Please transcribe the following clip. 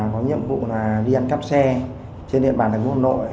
có nhiệm vụ là đi ăn cắp xe trên địa bàn thái bình hà nội